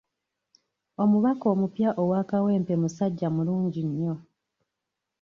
Omubaka omupya owa Kawempe musajja mulungi nnyo.